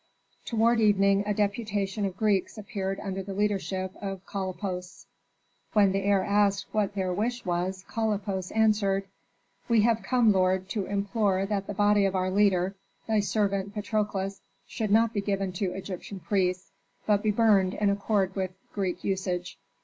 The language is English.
Toward evening a deputation of Greeks appeared under the leadership of Kalippos. When the heir asked what their wish was Kalippos answered, "We have come, lord, to implore that the body of our leader, thy servant Patrokles, should not be given to Egyptian priests, but be burned in accord with Greek usage."